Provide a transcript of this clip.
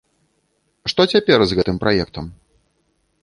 Што цяпер з гэтым праектам?